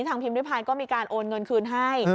ทางพิมพ์วิทยุปราณ์ก็มีการโอนเงินคืนให้